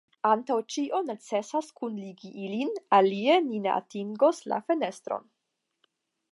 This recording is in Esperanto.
Antaŭ ĉio necesas kunligi ilin, alie ni ne atingos la fenestron.